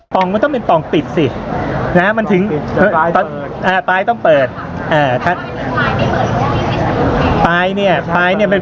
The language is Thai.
ปล่องมันต้องเป็นปล่องปิดสิปลายต้องเปิด